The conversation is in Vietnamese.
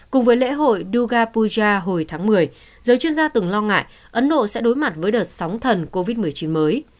cùng với lễ hội dugapuja hồi tháng một mươi giới chuyên gia từng lo ngại ấn độ sẽ đối mặt với đợt sóng thần covid một mươi chín mới